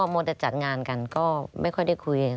มัวแต่จัดงานกันก็ไม่ค่อยได้คุยกัน